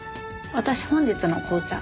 私本日の紅茶。